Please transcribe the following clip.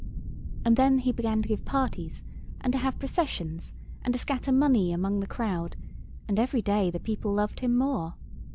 And then he began to give parties and to have processions and to scatter money among the crowd, and every day the people loved him more.